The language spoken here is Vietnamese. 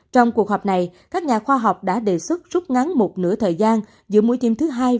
trong cuộc họp này các nhà khoa học đã đề xuất rút ngắn một nửa thời gian giữa mũi thiêm thứ hai